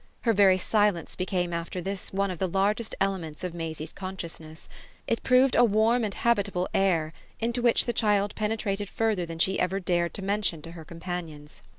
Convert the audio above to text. Her very silence became after this one of the largest elements of Maisie's consciousness; it proved a warm and habitable air, into which the child penetrated further than she dared ever to mention to her companions.